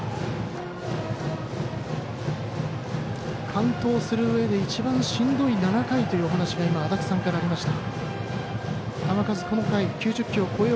完投する上で一番しんどい７回というお話が足達さんからありました。